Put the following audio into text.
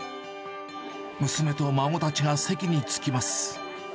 娘と孫たちが席に着きます。